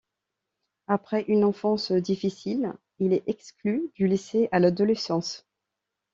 Après une enfance difficile, il est exclu du lycée à l'adolescence.